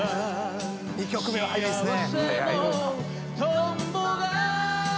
２曲目は早いですね